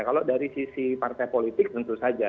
kalau dari sisi partai politik tentu saja